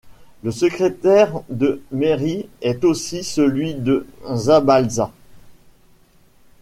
Le secrétaire de mairie est aussi celui de Zabalza.